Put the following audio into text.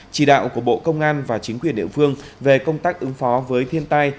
chỉ đạo của bộ công an và chính quyền địa phương về công tác ứng phó với thiên tai